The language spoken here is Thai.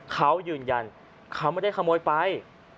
เขายืนยันเขาไม่ได้ขโมยไป